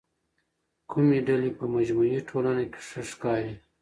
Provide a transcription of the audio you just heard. کومې ډلې په مجموعي ټولنه کي ښه ښکاري؟